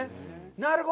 なるほど。